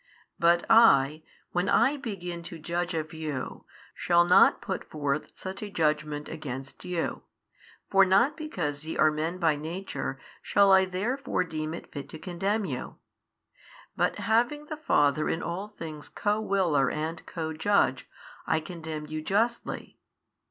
But I when I begin to judge of you, shall not put forth such a judgment against you, for not because ye are men by nature, shall I therefore deem it fit to condemn you: but having the Father in all things Co willer and Co judge, I condemn you justly.